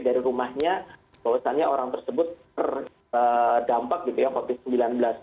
dari rumahnya bahwasannya orang tersebut terdampak gitu ya covid sembilan belas